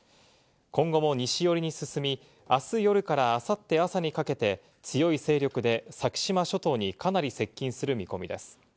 今後も西寄りに進み、あす夜からあさって朝にかけて強い勢力で先島諸島にかなり接近する見込みです。